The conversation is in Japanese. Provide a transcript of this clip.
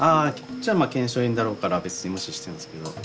こっちはまあ腱鞘炎だろうから別に無視してんですけど。